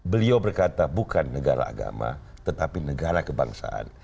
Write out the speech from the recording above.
beliau berkata bukan negara agama tetapi negara kebangsaan